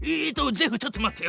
ジェフちょっと待ってよ。